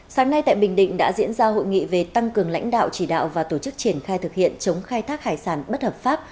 sáng nay tại bình định đã diễn ra hội nghị về tăng cường lãnh đạo chỉ đạo và tổ chức triển khai thực hiện chống khai thác hải sản bất hợp pháp